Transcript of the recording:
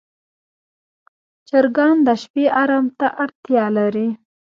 چرګان د شپې آرام ته اړتیا لري.